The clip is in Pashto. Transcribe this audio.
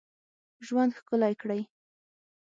ژوند ښکلی کړی.